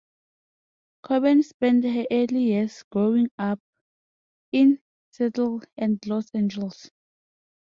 Cobain spent her early years growing up in Seattle and Los Angeles.